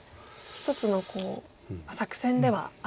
一つの作戦ではあるんですね。